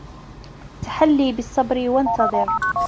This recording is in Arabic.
تحلّي بالصّبر و انتظرِ.